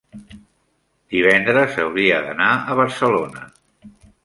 divendres hauria d'anar a Barcelona.